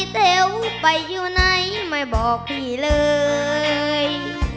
เต๋วไปอยู่ไหนไม่บอกพี่เลย